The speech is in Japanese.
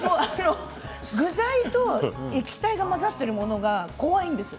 具材と液体が混ざっているものが怖いですよ。